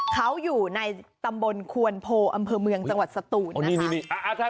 เขาอยู่ในตำบลควนโพอำเภอเมืองจังหวัดสตูน